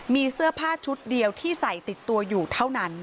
มีเสื้อผ้าชุดเดียวที่ใส่ติดตัวอยู่เท่านั้น